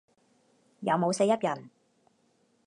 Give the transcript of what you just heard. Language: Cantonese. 有冇四邑人